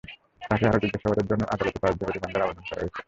তাঁকে আরও জিজ্ঞাসাবাদের জন্য আদালতে পাঁচ দিনের রিমান্ডের আবেদন করা হয়েছে।